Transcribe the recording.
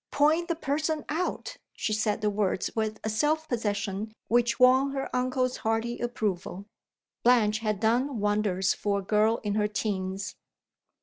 "Point the person out." She said the words with a self possession which won her uncle's hearty approval. Blanche had done wonders for a girl in her teens.